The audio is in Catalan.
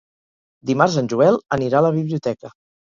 Dimarts en Joel anirà a la biblioteca.